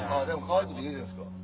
かわいくていいじゃないですか。